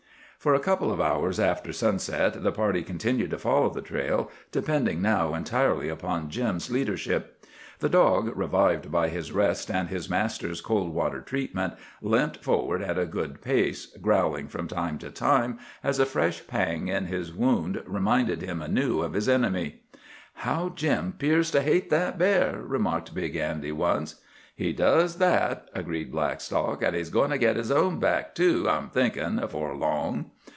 For a couple of hours after sunset the party continued to follow the trail, depending now entirely upon Jim's leadership. The dog, revived by his rest and his master's cold water treatment, limped forward at a good pace, growling from time to time as a fresh pang in his wound reminded him anew of his enemy. "How Jim 'pears to hate that bear!" remarked Big Andy once. "He does that!" agreed Blackstock. "An' he's goin' to git his own back, too, I'm thinkin', afore long."